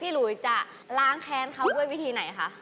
หลุยจะล้างแค้นเขาด้วยวิธีไหนคะ